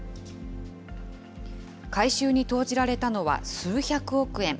改修に投じられたのは数百億円。